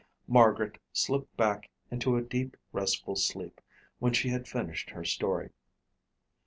Margaret slipped back into a deep, restful sleep when she had finished her story.